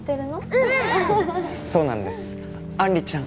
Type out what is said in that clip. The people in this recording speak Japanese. うんそうなんです「杏里ちゃん